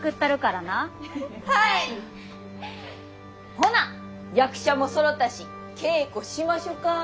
ほな役者もそろたし稽古しましょか。